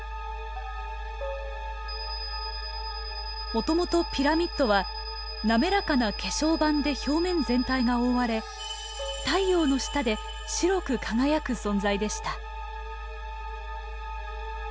もともとピラミッドは滑らかな化粧板で表面全体が覆われ太陽の下で白く輝く存在でした。